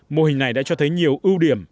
mô hình này đã cho thấy nhiều ưu điểm